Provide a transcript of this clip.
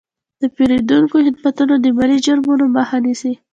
د پیرودونکو خدمتونه د مالي جرمونو مخه نیسي.